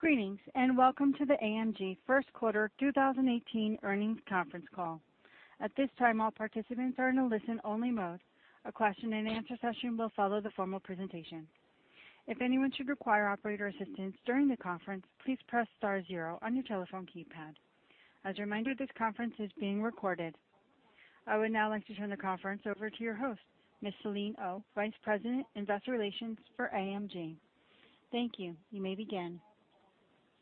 Greetings. Welcome to the AMG First Quarter 2018 Earnings Conference Call. At this time, all participants are in a listen-only mode. A question-and-answer session will follow the formal presentation. If anyone should require operator assistance during the conference, please press star zero on your telephone keypad. As a reminder, this conference is being recorded. I would now like to turn the conference over to your host, Ms. Anjali Aggarwal, Vice President, Investor Relations for AMG. Thank you. You may begin.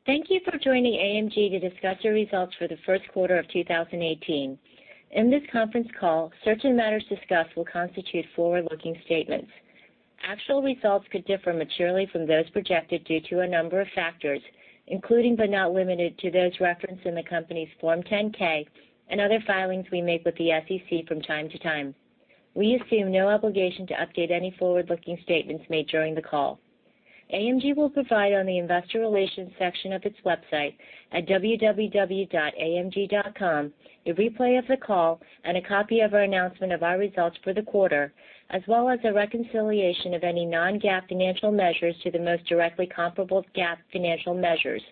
Thank you for joining AMG to discuss your results for the first quarter of 2018. In this conference call, certain matters discussed will constitute forward-looking statements. Actual results could differ materially from those projected due to a number of factors, including but not limited to those referenced in the company's Form 10-K and other filings we make with the SEC from time to time. We assume no obligation to update any forward-looking statements made during the call. AMG will provide on the investor relations section of its website at www.amg.com a replay of the call and a copy of our announcement of our results for the quarter, as well as a reconciliation of any non-GAAP financial measures to the most directly comparable GAAP financial measures,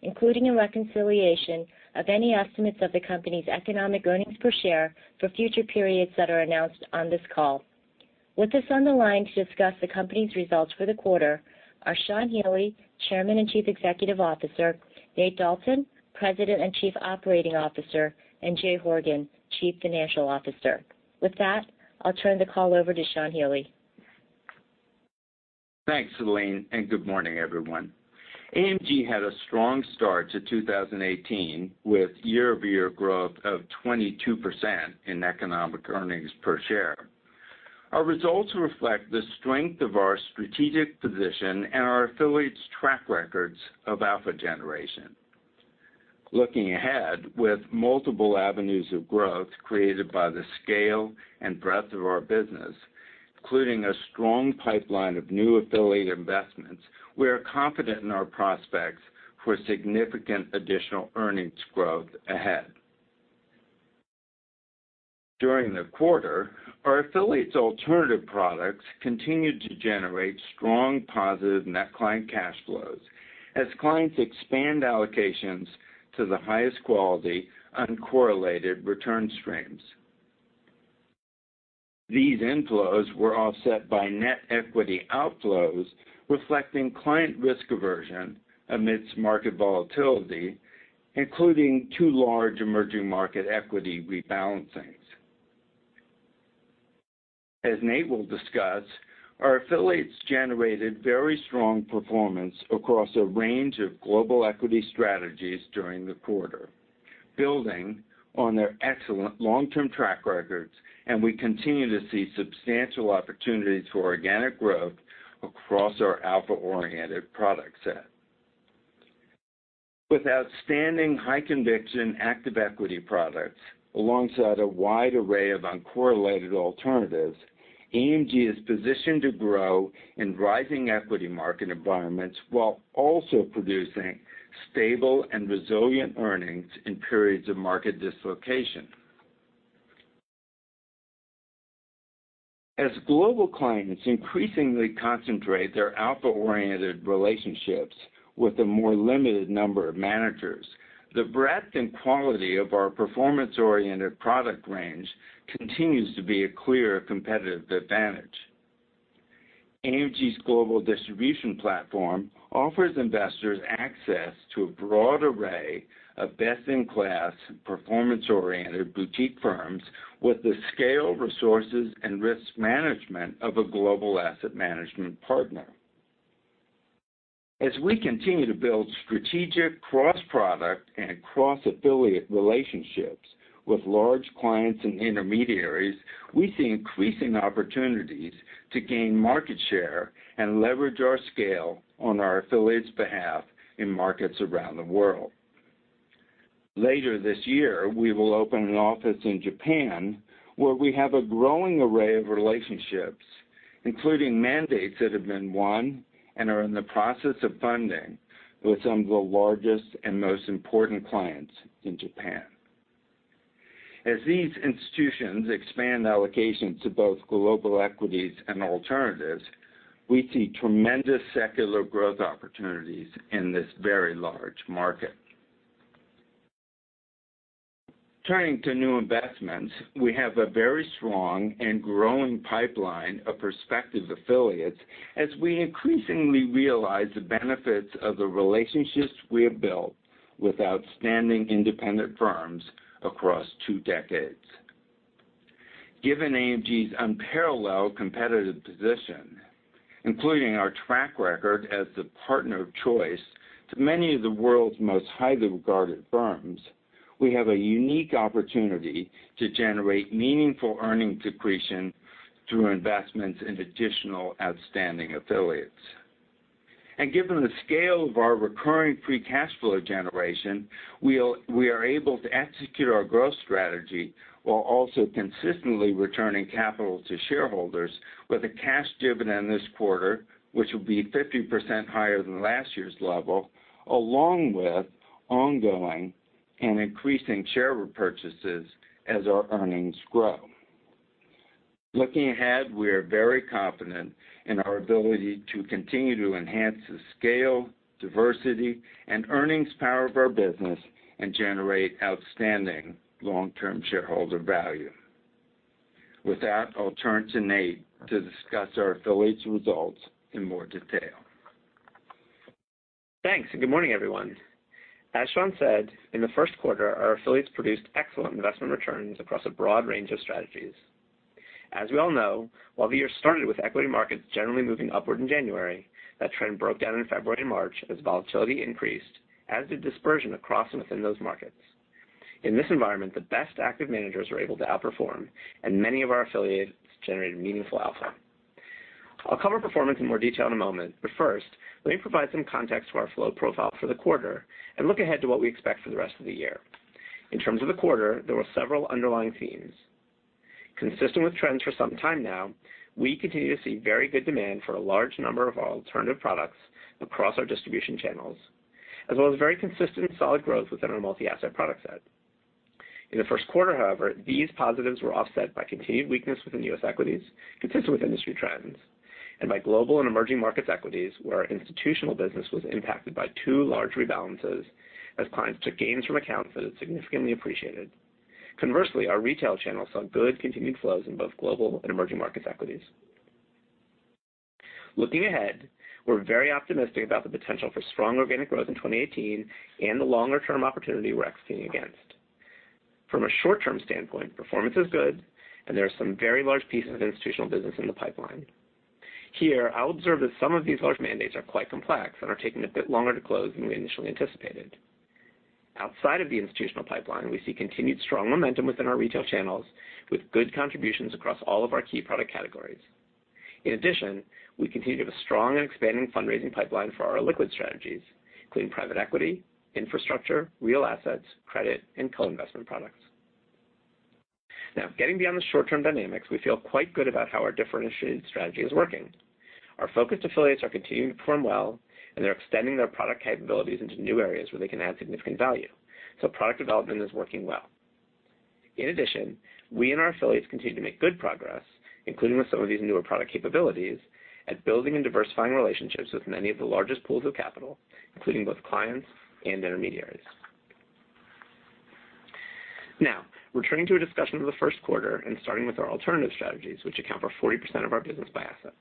including a reconciliation of any estimates of the company's Economic earnings per share for future periods that are announced on this call. With us on the line to discuss the company's results for the quarter are Sean Healey, Chairman and Chief Executive Officer, Nathaniel Dalton, President and Chief Operating Officer, and Jay Horgen, Chief Financial Officer. With that, I'll turn the call over to Sean Healey. Thanks, Anjali. Good morning, everyone. AMG had a strong start to 2018, with year-over-year growth of 22% in Economic earnings per share. Our results reflect the strength of our strategic position and our affiliates' track records of alpha generation. Looking ahead, with multiple avenues of growth created by the scale and breadth of our business, including a strong pipeline of new affiliate investments, we are confident in our prospects for significant additional earnings growth ahead. During the quarter, our affiliates' alternative products continued to generate strong positive net client cash flows as clients expand allocations to the highest quality uncorrelated return streams. These inflows were offset by net equity outflows, reflecting client risk aversion amidst market volatility, including two large emerging market equity rebalancings. As Nate will discuss, our affiliates generated very strong performance across a range of global equity strategies during the quarter, building on their excellent long-term track records. We continue to see substantial opportunity to organic growth across our alpha-oriented product set. With outstanding high conviction active equity products alongside a wide array of uncorrelated alternatives, AMG is positioned to grow in rising equity market environments while also producing stable and resilient earnings in periods of market dislocation. As global clients increasingly concentrate their alpha-oriented relationships with a more limited number of managers, the breadth and quality of our performance-oriented product range continues to be a clear competitive advantage. AMG's global distribution platform offers investors access to a broad array of best-in-class, performance-oriented boutique firms with the scale, resources, and risk management of a global asset management partner. As we continue to build strategic cross-product and cross-affiliate relationships with large clients and intermediaries, we see increasing opportunities to gain market share and leverage our scale on our affiliates' behalf in markets around the world. Later this year, we will open an office in Japan, where we have a growing array of relationships, including mandates that have been won and are in the process of funding with some of the largest and most important clients in Japan. As these institutions expand allocations to both global equities and alternatives, we see tremendous secular growth opportunities in this very large market. Turning to new investments, we have a very strong and growing pipeline of prospective affiliates as we increasingly realize the benefits of the relationships we have built with outstanding independent firms across two decades. Given AMG's unparalleled competitive position, including our track record as the partner of choice to many of the world's most highly regarded firms, we have a unique opportunity to generate meaningful earnings accretion through investments in additional outstanding affiliates. Given the scale of our recurring free cash flow generation, we are able to execute our growth strategy while also consistently returning capital to shareholders with a cash dividend this quarter, which will be 50% higher than last year's level, along with ongoing and increasing share repurchases as our earnings grow. Looking ahead, we are very confident in our ability to continue to enhance the scale, diversity, and earnings power of our business and generate outstanding long-term shareholder value. With that, I'll turn to Nate to discuss our affiliates' results in more detail. Thanks. Good morning, everyone. As Sean said, in the first quarter, our affiliates produced excellent investment returns across a broad range of strategies. As we all know, while the year started with equity markets generally moving upward in January, that trend broke down in February and March as volatility increased, as did dispersion across and within those markets. In this environment, the best active managers were able to outperform, and many of our affiliates generated meaningful alpha. I'll cover performance in more detail in a moment. First, let me provide some context to our flow profile for the quarter and look ahead to what we expect for the rest of the year. In terms of the quarter, there were several underlying themes. Consistent with trends for some time now, we continue to see very good demand for a large number of alternative products across our distribution channels, as well as very consistent, solid growth within our multi-asset product set. In the first quarter, however, these positives were offset by continued weakness within U.S. equities, consistent with industry trends, and by global and emerging markets equities, where our institutional business was impacted by two large rebalances as clients took gains from accounts that had significantly appreciated. Conversely, our retail channel saw good continued flows in both global and emerging markets equities. Looking ahead, we're very optimistic about the potential for strong organic growth in 2018 and the longer-term opportunity we're executing against. From a short-term standpoint, performance is good, and there are some very large pieces of institutional business in the pipeline. Here, I'll observe that some of these large mandates are quite complex and are taking a bit longer to close than we initially anticipated. Outside of the institutional pipeline, we see continued strong momentum within our retail channels, with good contributions across all of our key product categories. In addition, we continue to have a strong and expanding fundraising pipeline for our illiquid strategies, including private equity, infrastructure, real assets, credit, and co-investment products. Getting beyond the short-term dynamics, we feel quite good about how our differentiated strategy is working. Our focused affiliates are continuing to perform well, and they're extending their product capabilities into new areas where they can add significant value. Product development is working well. In addition, we and our affiliates continue to make good progress, including with some of these newer product capabilities, at building and diversifying relationships with many of the largest pools of capital, including both clients and intermediaries. Returning to a discussion of the first quarter and starting with our alternative strategies, which account for 40% of our business by assets.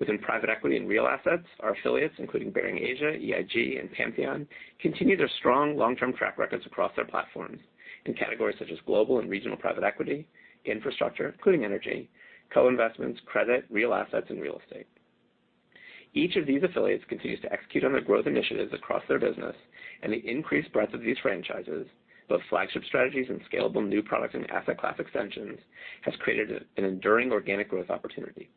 Within private equity and real assets, our affiliates, including Baring Asia, EIG, and Pantheon, continue their strong long-term track records across their platforms in categories such as global and regional private equity, infrastructure, including energy, co-investments, credit, real assets, and real estate. Each of these affiliates continues to execute on their growth initiatives across their business, and the increased breadth of these franchises, both flagship strategies and scalable new products and asset class extensions, has created an enduring organic growth opportunity.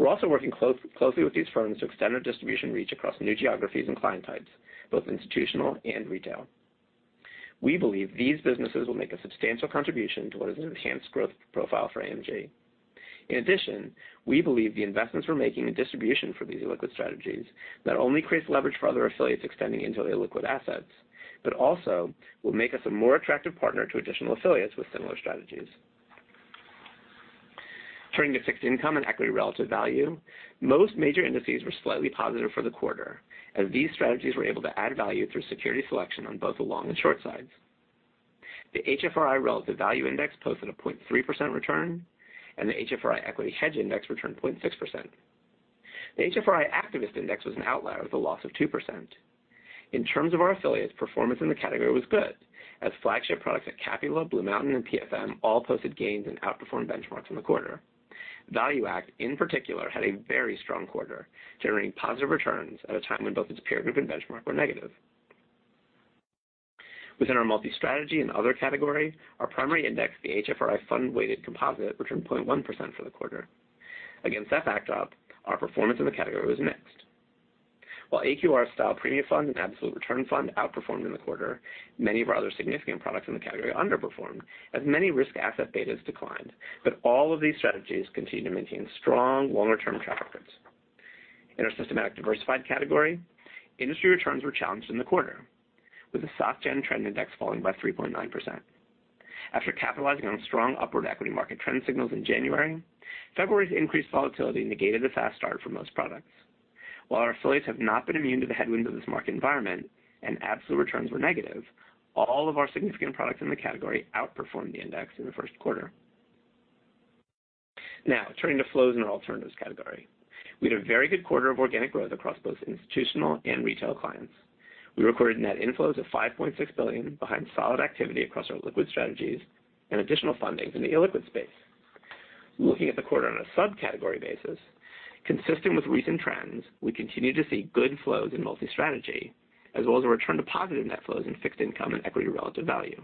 We're also working closely with these firms to extend our distribution reach across new geographies and client types, both institutional and retail. We believe these businesses will make a substantial contribution to what is an enhanced growth profile for AMG. In addition, we believe the investments we're making in distribution for these illiquid strategies not only creates leverage for other affiliates extending into illiquid assets, but also will make us a more attractive partner to additional affiliates with similar strategies. Turning to fixed income and equity relative value, most major indices were slightly positive for the quarter, as these strategies were able to add value through security selection on both the long and short sides. The HFRI Relative Value Index posted a 0.3% return, and the HFRI Equity Hedge Index returned 0.6%. The HFRI Activist Index was an outlier with a loss of 2%. In terms of our affiliates, performance in the category was good, as flagship products at Capula, BlueMountain, and PFM all posted gains and outperformed benchmarks in the quarter. ValueAct, in particular, had a very strong quarter, generating positive returns at a time when both its peer group and benchmark were negative. Within our multi-strategy and other category, our primary index, the HFRI Fund Weighted Composite, returned 0.1% for the quarter. Against that backdrop, our performance in the category was mixed. While AQR's Style Premia Alternative Fund and Absolute Return Fund outperformed in the quarter, many of our other significant products in the category underperformed as many risk asset betas declined. All of these strategies continue to maintain strong longer-term track records. In our systematic diversified category, industry returns were challenged in the quarter, with the SG Trend Index falling by 3.9%. After capitalizing on strong upward equity market trend signals in January, February's increased volatility negated a fast start for most products. While our affiliates have not been immune to the headwinds of this market environment and absolute returns were negative, all of our significant products in the category outperformed the index in the first quarter. Now, turning to flows in our alternatives category. We had a very good quarter of organic growth across both institutional and retail clients. We recorded net inflows of $5.6 billion behind solid activity across our liquid strategies and additional funding from the illiquid space. Looking at the quarter on a subcategory basis, consistent with recent trends, we continue to see good flows in multi-strategy, as well as a return to positive net flows in fixed income and equity relative value.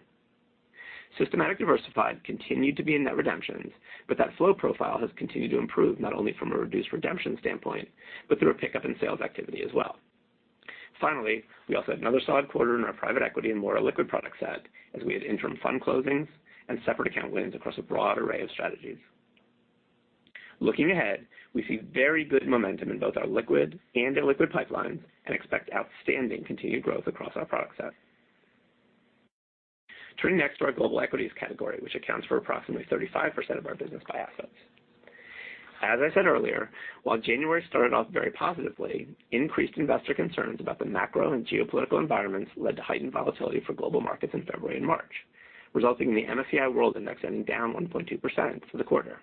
Systematic diversified continued to be in net redemptions, but that flow profile has continued to improve, not only from a reduced redemption standpoint, but through a pickup in sales activity as well. Finally, we also had another solid quarter in our private equity and more illiquid product set as we had interim fund closings and separate account wins across a broad array of strategies. Looking ahead, we see very good momentum in both our liquid and illiquid pipelines and expect outstanding continued growth across our product set. Turning next to our global equities category, which accounts for approximately 35% of our business by assets. As I said earlier, while January started off very positively, increased investor concerns about the macro and geopolitical environments led to heightened volatility for global markets in February and March, resulting in the MSCI World Index ending down 1.2% for the quarter.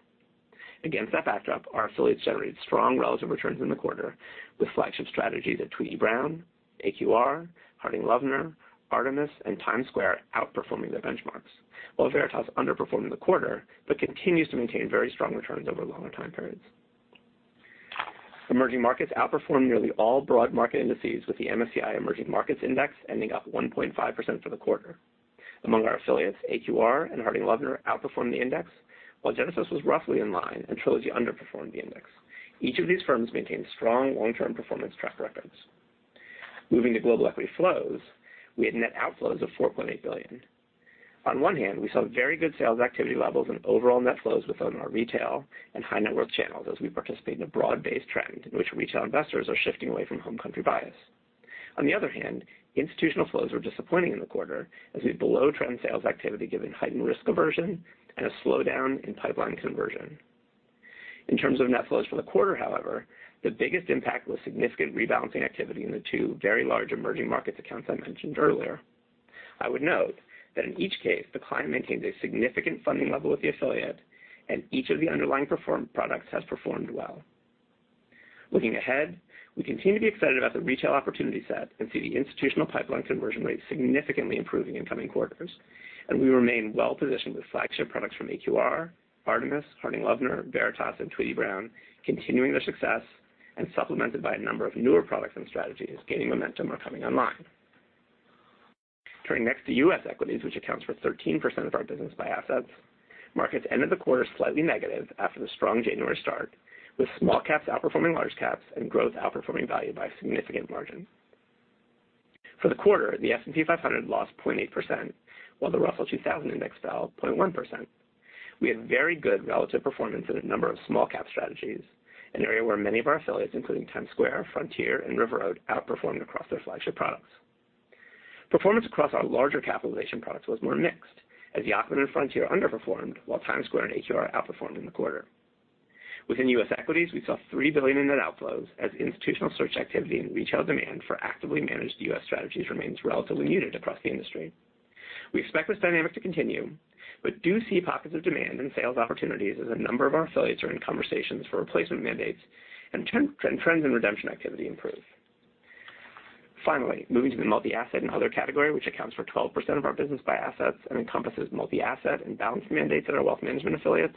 Against that backdrop, our affiliates generated strong relative returns in the quarter with flagship strategies at Tweedy, Browne, AQR, Harding Loevner, Artemis and TimesSquare outperforming their benchmarks, while Veritas underperformed in the quarter, but continues to maintain very strong returns over longer time periods. Emerging Markets outperformed nearly all broad market indices, with the MSCI Emerging Markets Index ending up 1.5% for the quarter. Among our affiliates, AQR and Harding Loevner outperformed the index, while Genesis was roughly in line and Trilogy underperformed the index. Each of these firms maintained strong long-term performance track records. Moving to global equity flows, we had net outflows of $4.8 billion. On one hand, we saw very good sales activity levels and overall net flows within our retail and high net worth channels as we participate in a broad-based trend in which retail investors are shifting away from home country bias. On the other hand, institutional flows were disappointing in the quarter as we had below trend sales activity given heightened risk aversion and a slowdown in pipeline conversion. In terms of net flows for the quarter, however, the biggest impact was significant rebalancing activity in the two very large emerging markets accounts I mentioned earlier. I would note that in each case, the client maintains a significant funding level with the affiliate and each of the underlying products has performed well. Looking ahead, we continue to be excited about the retail opportunity set and see the institutional pipeline conversion rate significantly improving in coming quarters. We remain well positioned with flagship products from AQR, Artemis, Harding Loevner, Veritas, and Tweedy, Browne continuing their success and supplemented by a number of newer products and strategies gaining momentum or coming online. Turning next to U.S. equities, which accounts for 13% of our business by assets, markets ended the quarter slightly negative after the strong January start, with small caps outperforming large caps and growth outperforming value by a significant margin. For the quarter, the S&P 500 lost 0.8%, while the Russell 2000 Index fell 0.1%. We had very good relative performance in a number of small cap strategies, an area where many of our affiliates, including TimesSquare, Frontier, and River Road, outperformed across their flagship products. Performance across our larger capitalization products was more mixed as Yacktman and Frontier underperformed, while TimesSquare and AQR outperformed in the quarter. Within U.S. equities, we saw $3 billion in net outflows as institutional search activity and retail demand for actively managed U.S. strategies remains relatively muted across the industry. We expect this dynamic to continue. We do see pockets of demand and sales opportunities as a number of our affiliates are in conversations for replacement mandates and trends in redemption activity improve. Finally, moving to the multi-asset and other category, which accounts for 12% of our business by assets and encompasses multi-asset and balanced mandates at our wealth management affiliates,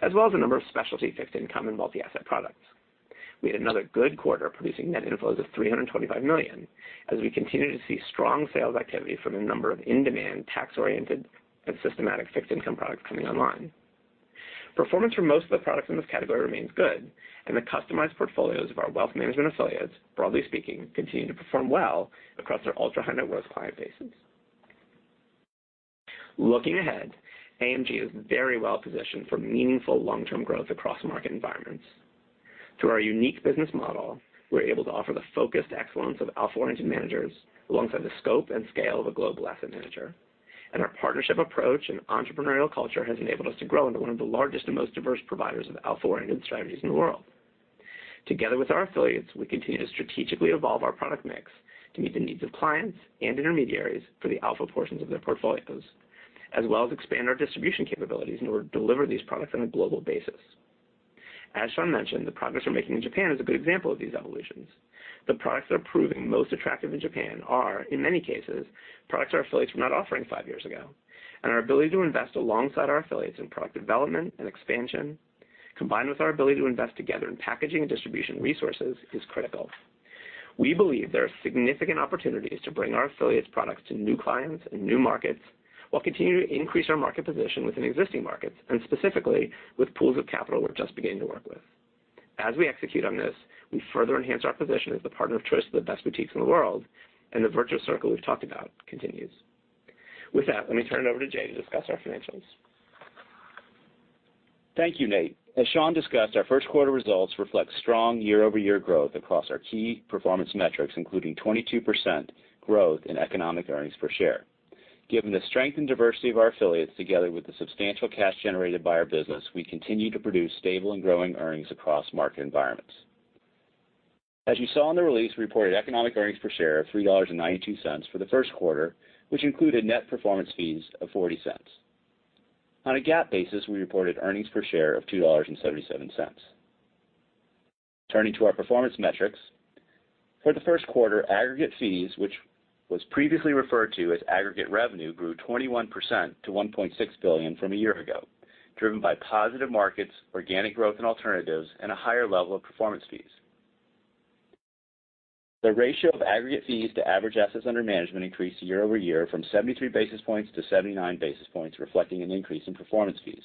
as well as a number of specialty fixed income and multi-asset products. We had another good quarter producing net inflows of $325 million as we continue to see strong sales activity from a number of in-demand tax-oriented and systematic fixed income products coming online. Performance for most of the products in this category remains good, and the customized portfolios of our wealth management affiliates, broadly speaking, continue to perform well across their ultra-high net worth client bases. Looking ahead, AMG is very well positioned for meaningful long-term growth across market environments. Through our unique business model, we're able to offer the focused excellence of alpha-oriented managers alongside the scope and scale of a global asset manager. Our partnership approach and entrepreneurial culture has enabled us to grow into one of the largest and most diverse providers of alpha-oriented strategies in the world. Together with our affiliates, we continue to strategically evolve our product mix to meet the needs of clients and intermediaries for the alpha portions of their portfolios, as well as expand our distribution capabilities in order to deliver these products on a global basis. As Sean mentioned, the progress we're making in Japan is a good example of these evolutions. The products that are proving most attractive in Japan are, in many cases, products our affiliates were not offering five years ago. Our ability to invest alongside our affiliates in product development and expansion, combined with our ability to invest together in packaging and distribution resources, is critical. We believe there are significant opportunities to bring our affiliates products to new clients and new markets while continuing to increase our market position within existing markets and specifically with pools of capital we're just beginning to work with. As we execute on this, we further enhance our position as the partner of choice to the best boutiques in the world, and the virtuous circle we've talked about continues. With that, let me turn it over to Jay to discuss our financials. Thank you, Nate. As Sean discussed, our first quarter results reflect strong year-over-year growth across our key performance metrics, including 22% growth in Economic earnings per share. Given the strength and diversity of our affiliates, together with the substantial cash generated by our business, we continue to produce stable and growing earnings across market environments. As you saw in the release, we reported Economic earnings per share of $3.92 for the first quarter, which included net performance fees of $0.40. On a GAAP basis, we reported earnings per share of $2.77. Turning to our performance metrics. For the first quarter, Aggregate Fees, which was previously referred to as Aggregate Revenue, grew 21% to $1.6 billion from a year ago, driven by positive markets, organic growth in alternatives, and a higher level of performance fees. The ratio of Aggregate Fees to average assets under management increased year-over-year from 73 basis points to 79 basis points, reflecting an increase in performance fees.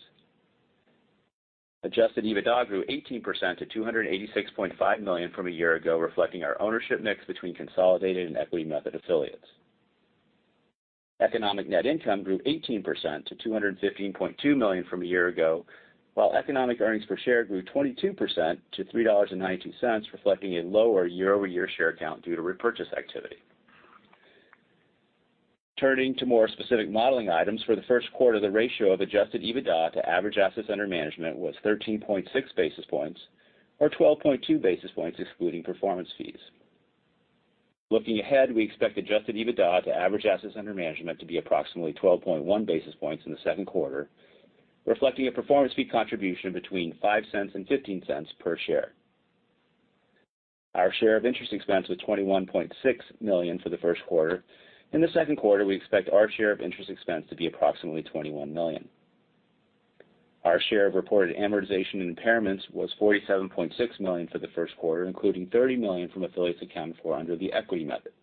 Adjusted EBITDA grew 18% to $286.5 million from a year ago, reflecting our ownership mix between consolidated and Equity Method affiliates. Economic Net Income grew 18% to $215.2 million from a year ago, while Economic earnings per share grew 22% to $3.92, reflecting a lower year-over-year share count due to repurchase activity. Turning to more specific modeling items for the first quarter, the ratio of Adjusted EBITDA to average assets under management was 13.6 basis points or 12.2 basis points excluding performance fees. Looking ahead, we expect Adjusted EBITDA to average assets under management to be approximately 12.1 basis points in the second quarter, reflecting a performance fee contribution between $0.05 and $0.15 per share. Our share of interest expense was $21.6 million for the first quarter. In the second quarter, we expect our share of interest expense to be approximately $21 million. Our share of reported amortization and impairments was $47.6 million for the first quarter, including $30 million from affiliates accounted for under the Equity Method.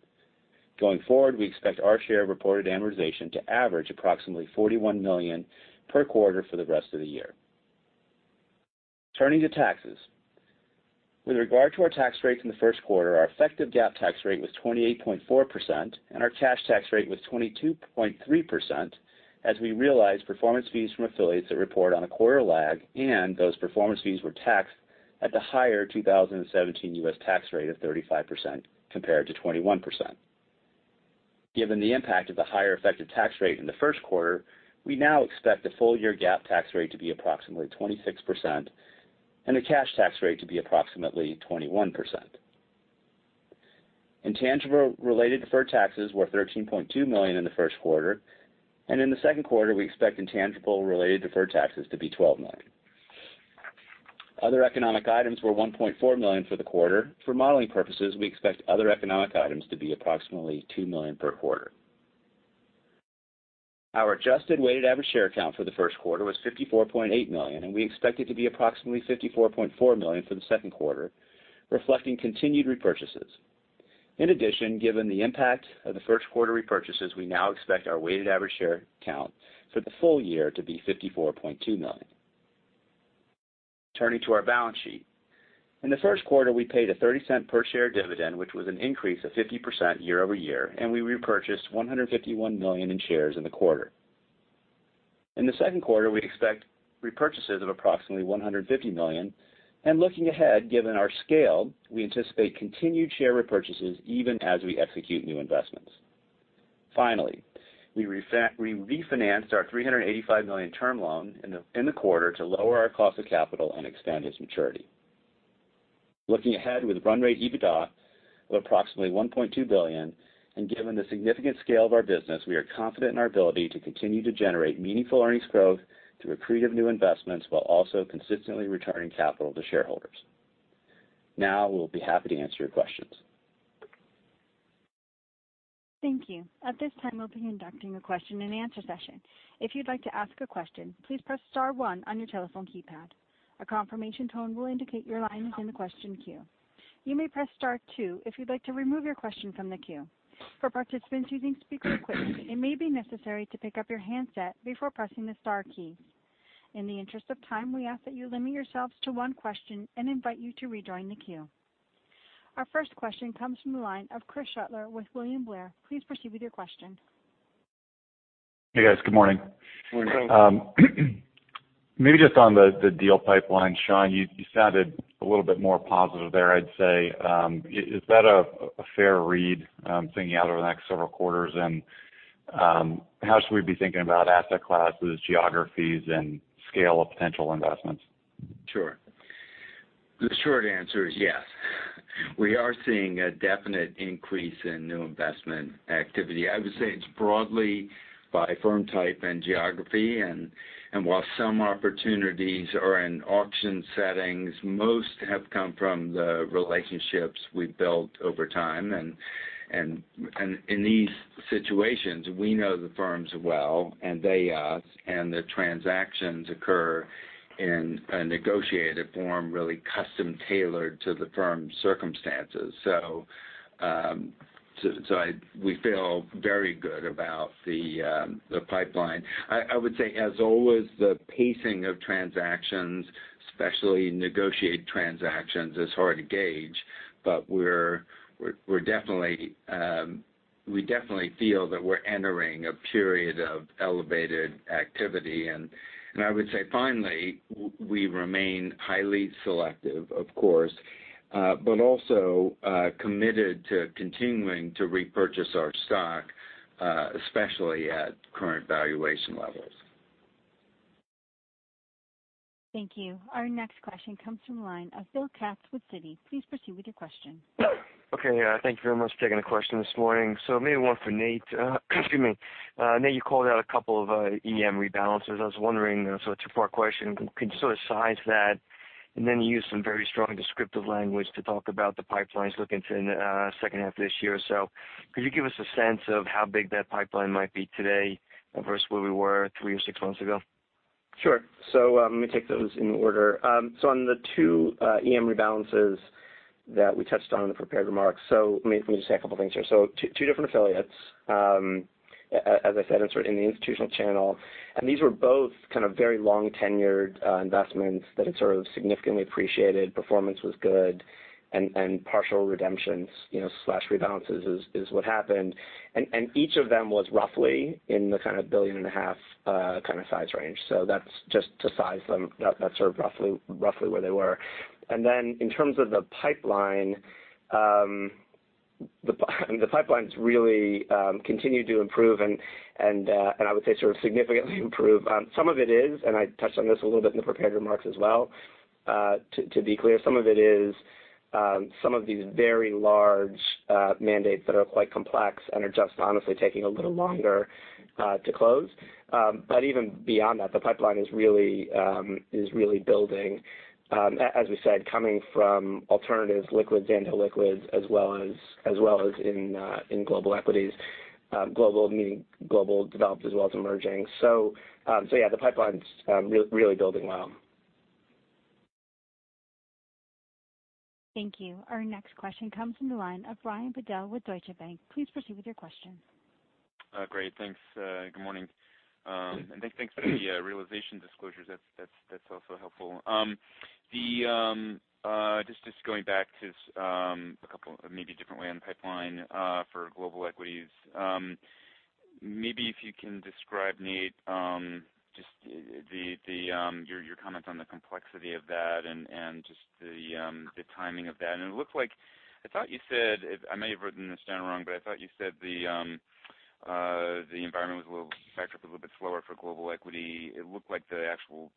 Going forward, we expect our share of reported amortization to average approximately $41 million per quarter for the rest of the year. Turning to taxes. With regard to our tax rate in the first quarter, our effective GAAP tax rate was 28.4%, and our cash tax rate was 22.3%, as we realized performance fees from affiliates that report on a quarter lag, and those performance fees were taxed at the higher 2017 U.S. tax rate of 35% compared to 21%. Given the impact of the higher effective tax rate in the first quarter, we now expect the full year GAAP tax rate to be approximately 26% and the cash tax rate to be approximately 21%. Intangible related deferred taxes were $13.2 million in the first quarter, and in the second quarter, we expect intangible related deferred taxes to be $12 million. Other economic items were $1.4 million for the quarter. For modeling purposes, we expect other economic items to be approximately $2 million per quarter. Our adjusted weighted average share count for the first quarter was 54.8 million, and we expect it to be approximately 54.4 million for the second quarter, reflecting continued repurchases. In addition, given the impact of the first quarter repurchases, we now expect our weighted average share count for the full year to be 54.2 million. Turning to our balance sheet. In the first quarter, we paid a $0.30 per share dividend, which was an increase of 50% year-over-year. We repurchased $151 million in shares in the quarter. In the second quarter, we expect repurchases of approximately $150 million. Looking ahead, given our scale, we anticipate continued share repurchases even as we execute new investments. Finally, we refinanced our $385 million term loan in the quarter to lower our cost of capital and extend its maturity. Looking ahead with run rate EBITDA of approximately $1.2 billion, given the significant scale of our business, we are confident in our ability to continue to generate meaningful earnings growth through accretive new investments while also consistently returning capital to shareholders. We'll be happy to answer your questions. Thank you. At this time, we'll be conducting a question and answer session. If you'd like to ask a question, please press star one on your telephone keypad. A confirmation tone will indicate you're aligned within the question queue. You may press star two if you'd like to remove your question from the queue. For participants using speaker equipment, it may be necessary to pick up your handset before pressing the star key. In the interest of time, we ask that you limit yourselves to one question and invite you to rejoin the queue. Our first question comes from the line of Chris Shutler with William Blair. Please proceed with your question. Hey, guys. Good morning. Good morning. Maybe just on the deal pipeline, Sean, you sounded a little bit more positive there, I'd say. Is that a fair read thinking out over the next several quarters? How should we be thinking about asset classes, geographies, and scale of potential investments? Sure. The short answer is yes. We are seeing a definite increase in new investment activity. I would say it's broadly by firm type and geography. While some opportunities are in auction settings, most have come from the relationships we've built over time. In these situations, we know the firms well, and they us, and the transactions occur in a negotiated form, really custom-tailored to the firm's circumstances. We feel very good about the pipeline. I would say, as always, the pacing of transactions, especially negotiated transactions, is hard to gauge. We definitely feel that we're entering a period of elevated activity. I would say, finally, we remain highly selective, of course, but also committed to continuing to repurchase our stock, especially at current valuation levels. Thank you. Our next question comes from the line of Bill Katz with Citi. Please proceed with your question. Okay. Thank you very much for taking the question this morning. Maybe one for Nate. Excuse me. Nate, you called out a couple of EM rebalances. I was wondering, it's a two-part question. Can you sort of size that? You used some very strong descriptive language to talk about the pipelines looking to second half of this year. Could you give us a sense of how big that pipeline might be today versus where we were three or six months ago? Sure. Let me take those in order. On the two EM rebalances that we touched on in the prepared remarks, let me just say a couple things here. Two different affiliates, as I said, in the institutional channel, and these were both kind of very long-tenured investments that had sort of significantly appreciated. Performance was good, and partial redemptions/rebalances is what happened. Each of them was roughly in the kind of billion and a half kind of size range. That's just to size them. That's sort of roughly where they were. In terms of the pipeline's really continue to improve, and I would say significantly improve. Some of it is, and I touched on this a little bit in the prepared remarks as well, to be clear, some of it is some of these very large mandates that are quite complex and are just honestly taking a little longer to close. Even beyond that, the pipeline is really building, as we said, coming from alternatives, liquids into liquids, as well as in global equities. Global meaning global developed as well as emerging. Yeah, the pipeline's really building well. Thank you. Our next question comes from the line of Brian Bedell with Deutsche Bank. Please proceed with your question. Great. Thanks. Good morning. Thanks for the realization disclosures. That's also helpful. Just going back to a couple of maybe different way on the pipeline for global equities. Maybe if you can describe, Nate, your comments on the complexity of that and just the timing of that. I may have written this down wrong, but I thought you said the environment was backed up a little bit slower for global equity. It looked like the actual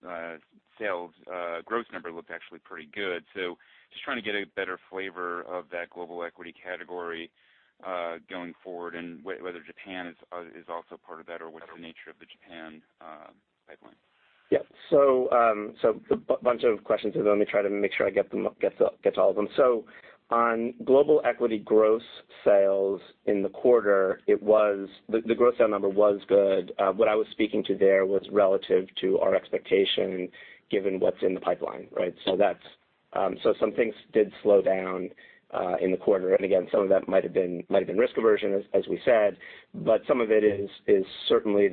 sales gross number looked actually pretty good. Just trying to get a better flavor of that global equity category going forward, and whether Japan is also part of that or what's the nature of the Japan pipeline. Yeah. A bunch of questions there. Let me try to make sure I get all of them. On global equity gross sales in the quarter, the gross sale number was good. What I was speaking to there was relative to our expectation given what's in the pipeline, right? Some things did slow down in the quarter. Again, some of that might've been risk aversion, as we said, but some of it is certainly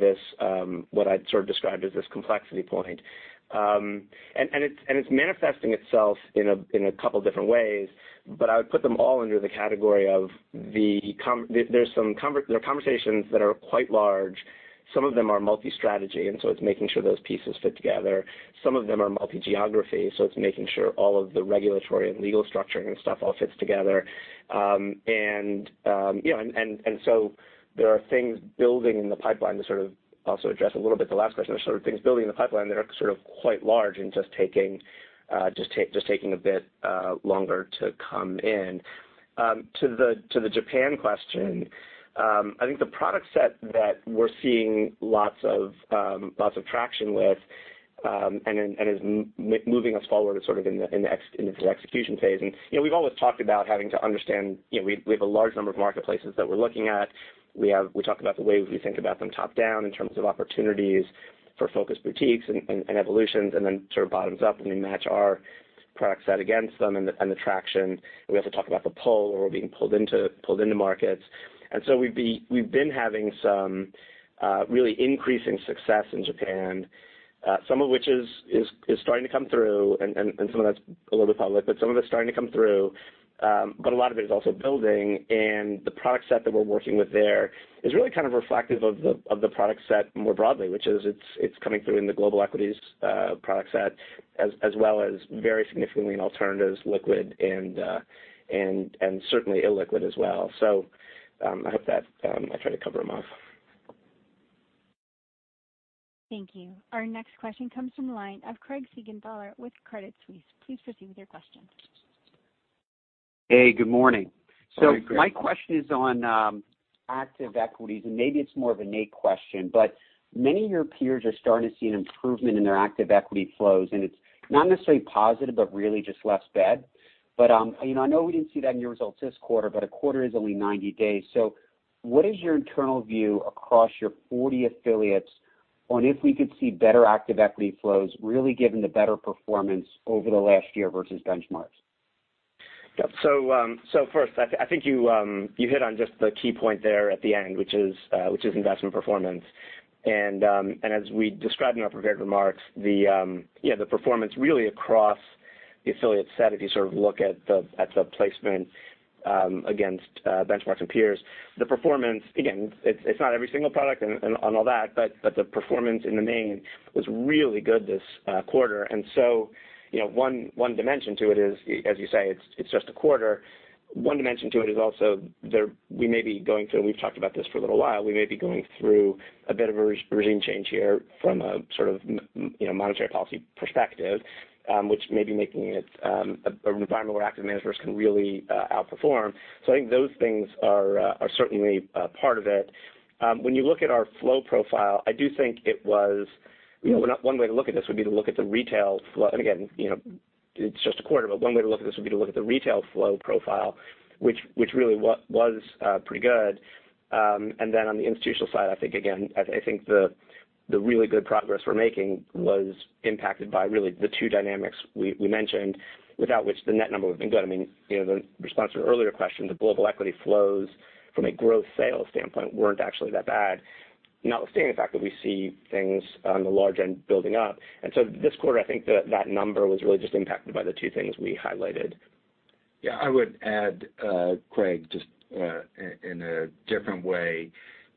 what I'd described as this complexity point. It's manifesting itself in a couple different ways, but I would put them all under the category of there are conversations that are quite large. Some of them are multi-strategy, it's making sure those pieces fit together. Some of them are multi-geography, it's making sure all of the regulatory and legal structuring and stuff all fits together. There are things building in the pipeline to sort of also address a little bit the last question, there are things building in the pipeline that are quite large and just taking a bit longer to come in. To the Japan question, I think the product set that we're seeing lots of traction with and is moving us forward in the execution phase. We've always talked about having to understand, we have a large number of marketplaces that we're looking at. We talk about the way we think about them top-down in terms of opportunities for focus boutiques and evolutions, bottoms up when we match our product set against them and the traction. We also talk about the pull, where we're being pulled into markets. We've been having some really increasing success in Japan, some of which is starting to come through, and some of that's a little bit public, but some of it's starting to come through. A lot of it is also building, the product set that we're working with there is really reflective of the product set more broadly, which is it's coming through in the global equities product set, as well as very significantly in alternatives, liquid, and certainly illiquid as well. I hope that I tried to cover most. Thank you. Our next question comes from the line of Craig Siegenthaler with Credit Suisse. Please proceed with your question. Hey, good morning. Good morning, Craig. My question is on active equities, and maybe it's more of a Nate question, but many of your peers are starting to see an improvement in their active equity flows, and it's not necessarily positive, but really just less bad. I know we didn't see that in your results this quarter, but a quarter is only 90 days. What is your internal view across your 40 affiliates on if we could see better active equity flows, really given the better performance over the last year versus benchmarks? Yeah. First, I think you hit on just the key point there at the end, which is investment performance. As we described in our prepared remarks, the performance really across the affiliate set, if you look at the placement against benchmarks and peers, the performance, again, it's not every single product and all that, but the performance in the main was really good this quarter. One dimension to it is, as you say, it's just a quarter. One dimension to it is also we may be going through, and we've talked about this for a little while, we may be going through a bit of a regime change here from a monetary policy perspective, which may be making it an environment where active managers can really outperform. I think those things are certainly part of it. When you look at our flow profile, one way to look at this would be to look at the retail flow. Again, it's just a quarter, but one way to look at this would be to look at the retail flow profile, which really was pretty good. On the institutional side, I think, again, I think the really good progress we're making was impacted by really the two dynamics we mentioned, without which the net number would've been good. The response to an earlier question, the global equity flows from a growth sales standpoint weren't actually that bad, notwithstanding the fact that we see things on the large end building up. This quarter, I think that that number was really just impacted by the two things we highlighted. Yeah, I would add, Craig, just in a different way,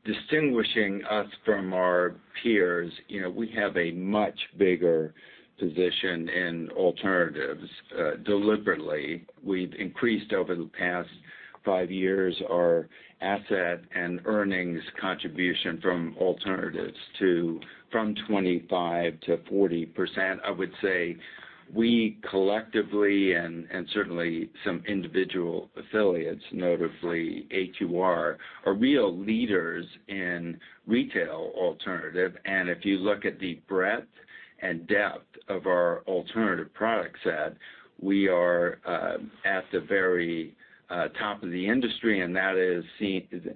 distinguishing us from our peers, we have a much bigger position in alternatives. Deliberately, we've increased over the past five years our asset and earnings contribution from alternatives from 25% to 40%, I would say. We collectively, and certainly some individual affiliates, notably AQR, are real leaders in retail alternative. If you look at the breadth and depth of our alternative product set, we are at the very top of the industry, and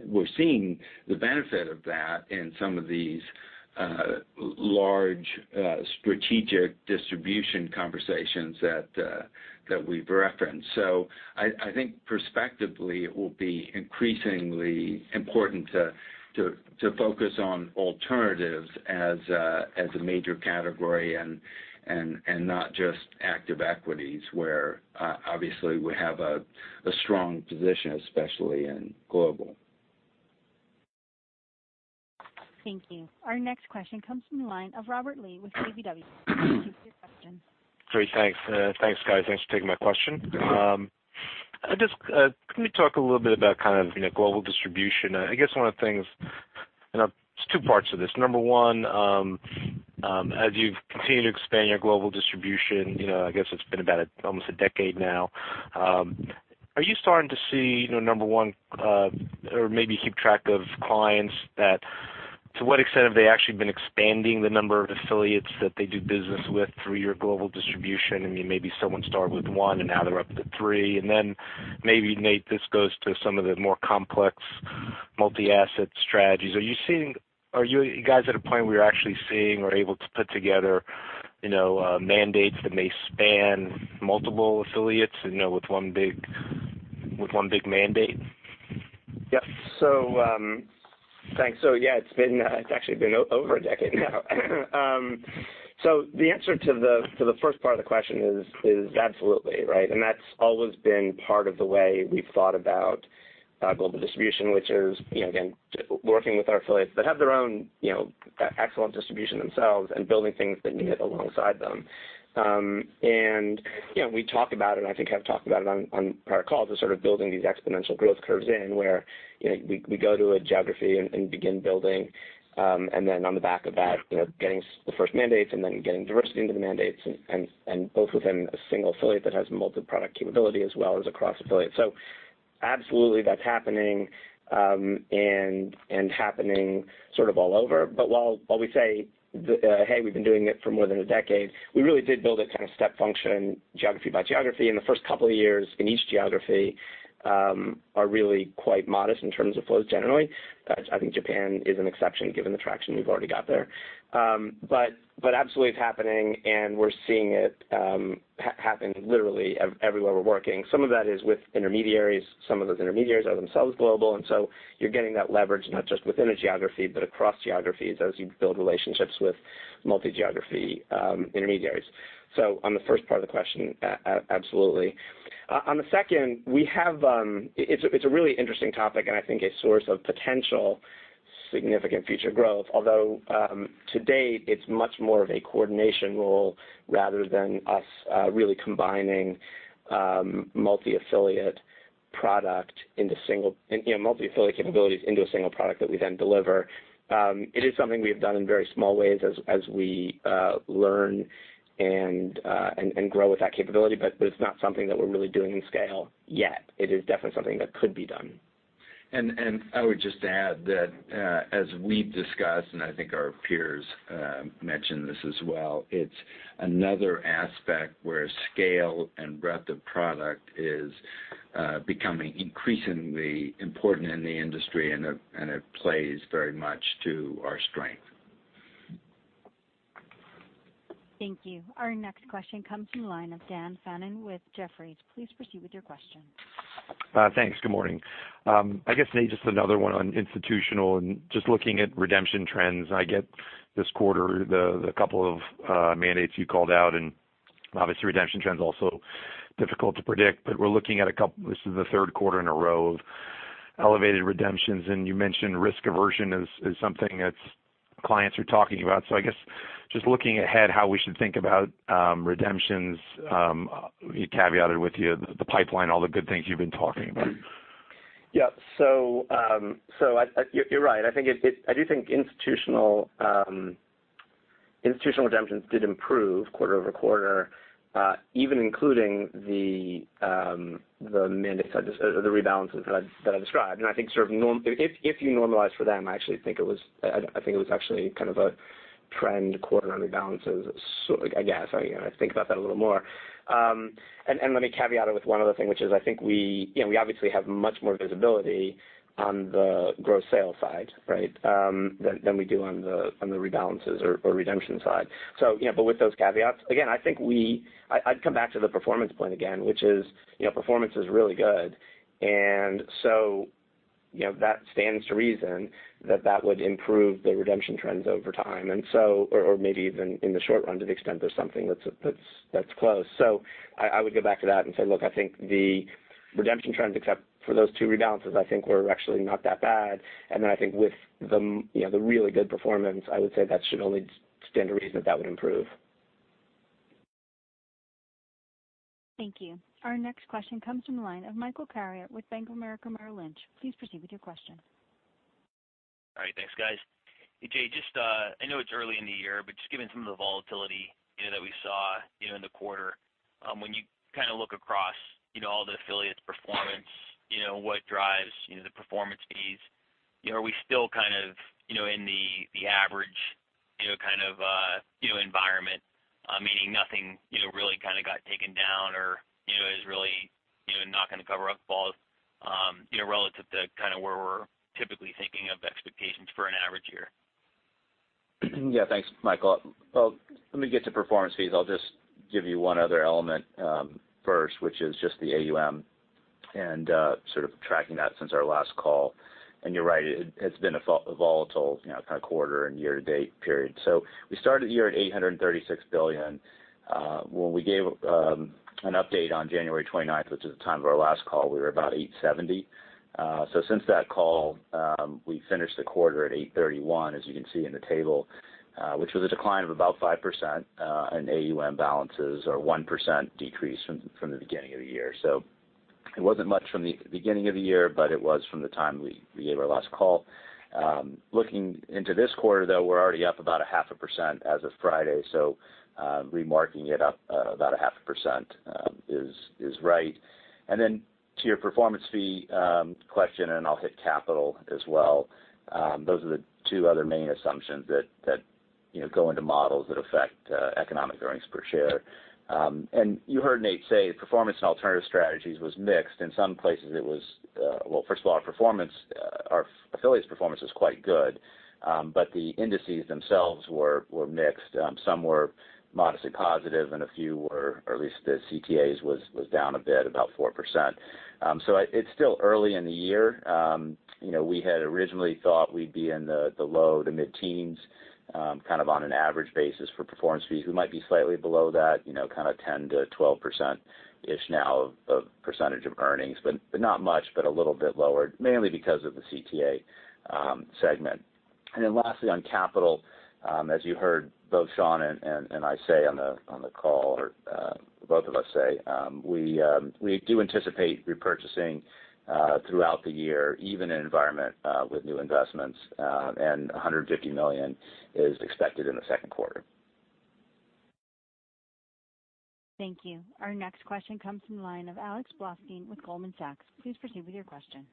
we're seeing the benefit of that in some of these large strategic distribution conversations that we've referenced. I think perspectively it will be increasingly important to focus on alternatives as a major category and not just active equities, where obviously we have a strong position, especially in global. Thank you. Our next question comes from the line of Robert Lee with KBW. Please proceed with your question. Great. Thanks. Thanks, guys. Thanks for taking my question. Let me talk a little bit about global distribution. I guess one of the things. There are two parts to this. Number one, as you've continued to expand your global distribution, I guess it's been about almost a decade now. Are you starting to see, number one, or maybe keep track of clients that, to what extent have they actually been expanding the number of affiliates that they do business with through your global distribution? I mean, maybe someone started with one and now they're up to three. Maybe, Nate, this goes to some of the more complex multi-asset strategies. Are you guys at a point where you're actually seeing or able to put together mandates that may span multiple affiliates with one big mandate? Yep. Thanks. Yeah, it's actually been over a decade now. The answer to the first part of the question is absolutely, right? That's always been part of the way we've thought about global distribution, which is, again, working with our affiliates that have their own excellent distribution themselves and building things that knit alongside them. We talk about it, I think I've talked about it on prior calls, is sort of building these exponential growth curves in where we go to a geography and begin building. On the back of that, getting the first mandates and then getting diversity into the mandates, both within a single affiliate that has multi-product capability as well as across affiliates. Absolutely that's happening and happening sort of all over. While we say, "Hey, we've been doing it for more than a decade," we really did build a kind of step function geography by geography, and the first couple of years in each geography are really quite modest in terms of flows, generally. I think Japan is an exception given the traction we've already got there. Absolutely it's happening, and we're seeing it happen literally everywhere we're working. Some of that is with intermediaries. Some of those intermediaries are themselves global, you're getting that leverage not just within a geography but across geographies as you build relationships with multi-geography intermediaries. On the first part of the question, absolutely. On the second, it's a really interesting topic and I think a source of potential significant future growth. Although, to date, it's much more of a coordination role rather than us really combining multi-affiliate capabilities into a single product that we then deliver. It is something we have done in very small ways as we learn and grow with that capability, it's not something that we're really doing in scale yet. It is definitely something that could be done. I would just add that, as we've discussed, and I think our peers mentioned this as well, it's another aspect where scale and breadth of product is becoming increasingly important in the industry, and it plays very much to our strength. Thank you. Our next question comes from the line of Daniel Fannon with Jefferies. Please proceed with your question. Thanks. Good morning. I guess, Nate, just another one on institutional and just looking at redemption trends. I get this quarter, the couple of mandates you called out, and obviously redemption trends are also difficult to predict. We're looking at a couple, this is the third quarter in a row of elevated redemptions, and you mentioned risk aversion is something that clients are talking about. I guess just looking ahead, how we should think about redemptions, caveated with the pipeline, all the good things you've been talking about. Yep. You're right. I do think institutional redemptions did improve quarter-over-quarter, even including the rebalances that I described. I think if you normalize for them, I think it was actually a trend quarter on rebalances, I guess. I'd think about that a little more. Let me caveat it with one other thing, which is I think we obviously have much more visibility on the gross sale side, right, than we do on the rebalances or redemption side. With those caveats, again, I'd come back to the performance point again, which is performance is really good. That stands to reason that that would improve the redemption trends over time, or maybe even in the short run, to the extent there's something that's close. I would go back to that and say, look, I think the redemption trends, except for those two rebalances, I think were actually not that bad. I think with the really good performance, I would say that should only stand to reason that that would improve. Thank you. Our next question comes from the line of Michael Carrier with Bank of America Merrill Lynch. Please proceed with your question. All right. Thanks, guys. Hey, Jay, I know it's early in the year, just given some of the volatility that we saw in the quarter, when you look across all the affiliates' performance, what drives the performance fees? Are we still in the average environment, meaning nothing really got taken down or is really not going to cover up calls relative to where we're typically thinking of expectations for an average year? Yeah. Thanks, Michael. Well, let me get to performance fees. I'll just give you one other element first, which is just the AUM and sort of tracking that since our last call. You're right, it's been a volatile kind of quarter and year-to-date period. We started the year at $836 billion. When we gave an update on January 29th, which is the time of our last call, we were about $870 billion. Since that call, we finished the quarter at $831 billion, as you can see in the table, which was a decline of about 5% in AUM balances or 1% decrease from the beginning of the year. It wasn't much from the beginning of the year, but it was from the time we gave our last call. Looking into this quarter, though, we're already up about a half a percent as of Friday. Remarking it up about a half a percent is right. To your performance fee question, I'll hit capital as well. Those are the two other main assumptions that go into models that affect economic earnings per share. You heard Nate say performance and alternative strategies was mixed. In some places, first of all, our affiliates' performance was quite good. The indices themselves were mixed. Some were modestly positive, a few were, or at least the CTAs was down a bit, about 4%. It's still early in the year. We had originally thought we'd be in the low to mid-teens on an average basis for performance fees. We might be slightly below that, kind of 10% to 12%-ish now of percentage of earnings, but not much, but a little bit lower, mainly because of the CTA segment. Lastly, on capital, as you heard both Sean and I say on the call, or both of us say, we do anticipate repurchasing throughout the year, even in an environment with new investments, and $150 million is expected in the second quarter. Thank you. Our next question comes from the line of Alex Blostein with Goldman Sachs. Please proceed with your question.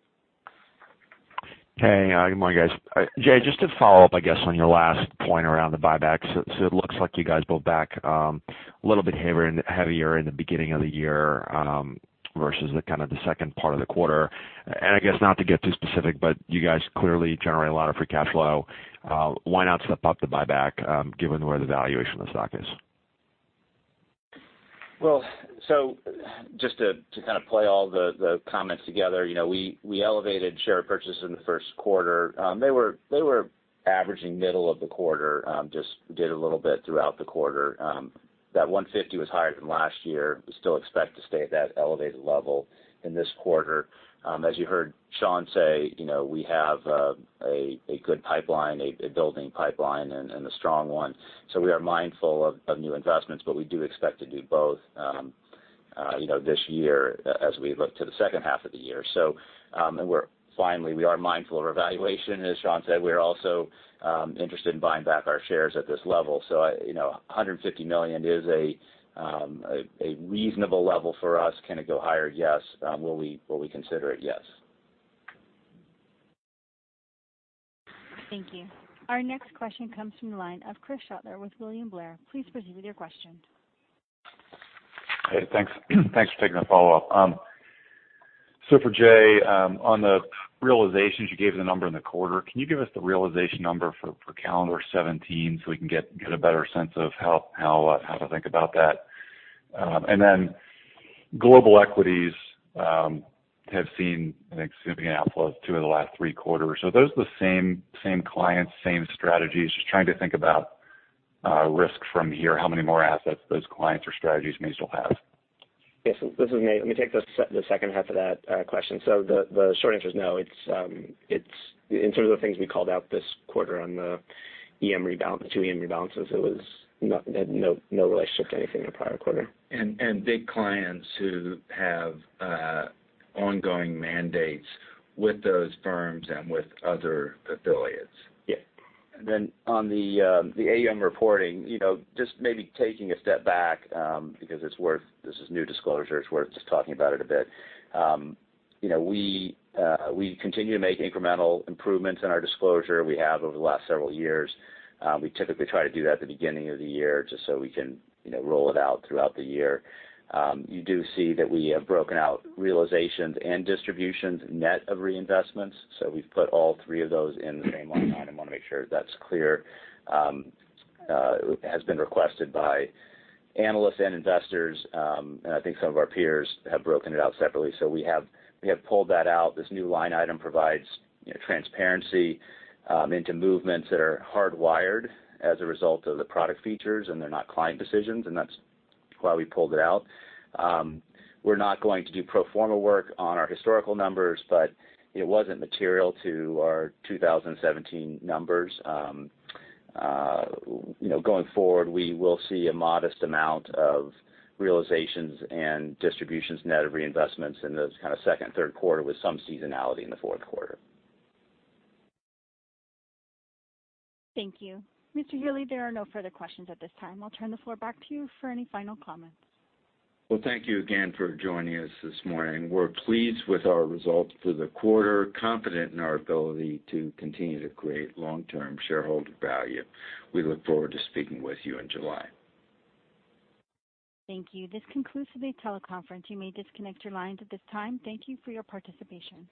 Hey, good morning, guys. Jay, just to follow up, I guess, on your last point around the buybacks. It looks like you guys pulled back a little bit heavier in the beginning of the year versus the second part of the quarter. I guess not to get too specific, but you guys clearly generate a lot of free cash flow. Why not step up the buyback given where the valuation of the stock is? Just to play all the comments together. We elevated share purchases in the first quarter. They were averaging middle of the quarter, just did a little bit throughout the quarter. That $150 was higher than last year. We still expect to stay at that elevated level in this quarter. As you heard Sean say, we have a good pipeline, a building pipeline, and a strong one. We are mindful of new investments, but we do expect to do both this year as we look to the second half of the year. Finally, we are mindful of our valuation. As Sean said, we are also interested in buying back our shares at this level. $150 million is a reasonable level for us. Can it go higher? Yes. Will we consider it? Yes. Thank you. Our next question comes from the line of Chris Shutler with William Blair. Please proceed with your question. Hey, thanks for taking the follow-up. For Jay, on the realizations, you gave the number in the quarter. Can you give us the realization number for calendar 2017 so we can get a better sense of how to think about that? Then global equities have seen, I think, significant outflows, two of the last three quarters. Are those the same clients, same strategies? Just trying to think about risk from here, how many more assets those clients or strategies may still have. Yes. This is Nate. Let me take the second half of that question. The short answer is no. In terms of the things we called out this quarter on the two EM rebalances, it had no relationship to anything in the prior quarter. Big clients who have ongoing mandates with those firms and with other affiliates. Yeah. On the AUM reporting, just maybe taking a step back because this is new disclosure, it's worth just talking about it a bit. We continue to make incremental improvements in our disclosure. We have over the last several years. We typically try to do that at the beginning of the year just so we can roll it out throughout the year. You do see that we have broken out realizations and distributions net of reinvestments. We've put all three of those in the same line item. I want to make sure that's clear. It has been requested by analysts and investors, and I think some of our peers have broken it out separately. We have pulled that out. This new line item provides transparency into movements that are hardwired as a result of the product features, and they're not client decisions. That's why we pulled it out. We're not going to do pro forma work on our historical numbers, but it wasn't material to our 2017 numbers. Going forward, we will see a modest amount of realizations and distributions net of reinvestments in those second and third quarter with some seasonality in the fourth quarter. Thank you. Mr. Healey, there are no further questions at this time. I'll turn the floor back to you for any final comments. Well, thank you again for joining us this morning. We're pleased with our results for the quarter, confident in our ability to continue to create long-term shareholder value. We look forward to speaking with you in July. Thank you. This concludes the teleconference. You may disconnect your lines at this time. Thank you for your participation.